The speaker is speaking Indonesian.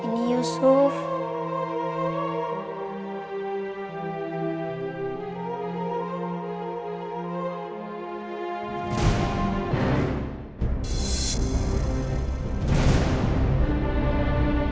ini yusuf pak